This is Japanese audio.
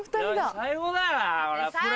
最高だよな